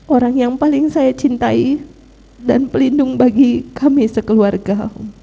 orang yang paling saya cintai dan pelindung bagi kami sekeluarga